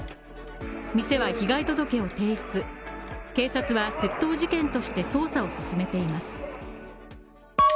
店は被害届を提出、警察は窃盗事件として捜査を進めています。